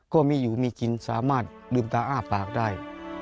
ก็มีอยู่มีกินสามารถลืมตาอ้าปากได้